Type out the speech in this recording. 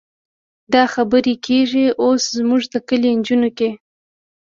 دا خبرې کېږي اوس زموږ د کلي نجونو کې.